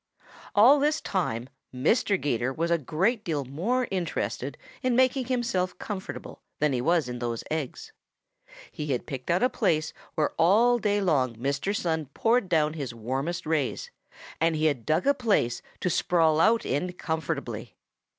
"All this time Mr. 'Gator was a great deal more interested in making himself comfortable than he was in those eggs. He had picked out a place where all day long Mr. Sun poured down his warmest rays, and he had dug a place to sprawl out in comfortably.